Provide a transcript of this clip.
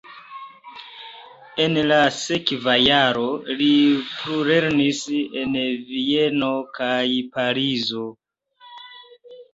En la sekva jaro li plulernis en Vieno kaj Parizo.